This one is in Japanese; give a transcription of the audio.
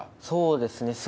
そうですね。